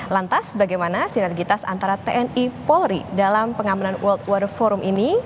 lantas bagaimana sinergitas antara tni polri dalam pengamanan world water forum ini